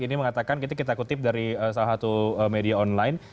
ini mengatakan kita kutip dari salah satu media online